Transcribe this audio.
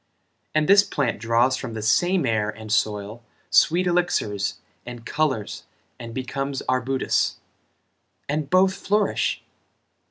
And this plant draws from the same air and soil Sweet elixirs and colors and becomes arbutus? And both flourish?